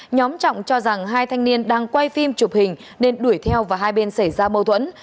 nhóm trọng cho rằng hai thanh niên đang quay phim chụp hình nên đuổi theo và hai bên xảy ra mâu thuẫn